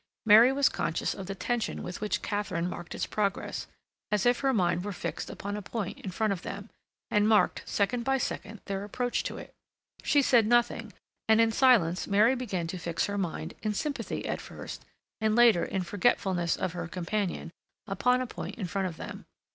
Mary was conscious of the tension with which Katharine marked its progress, as if her mind were fixed upon a point in front of them, and marked, second by second, their approach to it. She said nothing, and in silence Mary began to fix her mind, in sympathy at first, and later in forgetfulness of her companion, upon a point in front of them.